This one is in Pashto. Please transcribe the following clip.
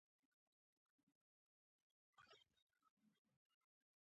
کمپیوټر ساینس د راتلونکي لپاره نوې لارې خلاصوي.